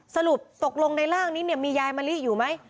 สรุปตกลงในร่างนี้มียายมะลิอยู่ไหม